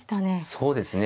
そうですね。